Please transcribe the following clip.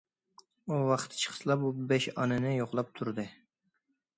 ئۇ ۋاقتى چىقسىلا، بۇ بەش ئانىنى يوقلاپ تۇردى.